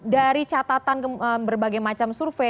dari catatan berbagai manfaatnya